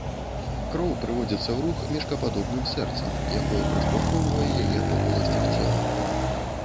Кроў прыводзіцца ў рух мешкападобным сэрцам, якое праштурхоўвае яе па поласцях цела.